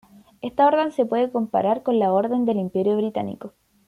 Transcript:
Esta orden se puede comparar con la Orden del Imperio Británico.